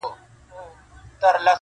باد د غرونو غږ راوړي تل,